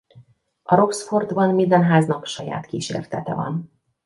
A Roxfortban minden háznak saját kísértete van.